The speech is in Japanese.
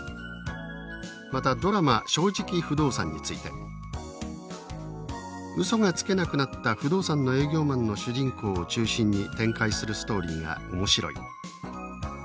またドラマ「正直不動産」について「うそがつけなくなった不動産の営業マンの主人公を中心に展開するストーリーが面白い」